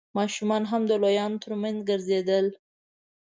ماشومان هم د لويانو تر مينځ ګرځېدل.